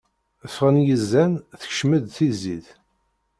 Ffɣen yizan, tekcem-d tizit.